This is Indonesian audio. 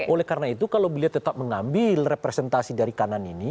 oleh karena itu kalau beliau tetap mengambil representasi dari kanan ini